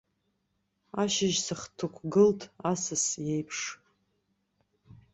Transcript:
Ашьыжь сыхҭықәгылт асыс еиԥш.